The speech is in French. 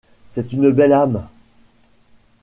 C’est une belle âme!